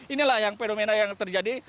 inilah yang fenomena yang terjadi